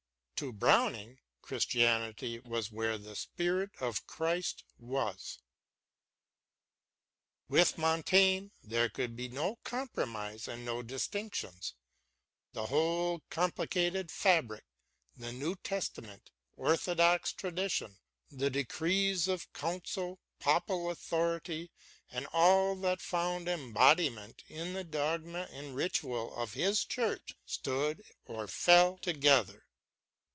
To Browning Christianity was where the spirit of Christ was. With Montaigne there could be no compromise and no distinctions : the whole complicated fabric, the New Testament, orthodox tradition, the decrees of councils, papal authority, and all that found embodiment in the dogma and ritual of his Church stood or fell together.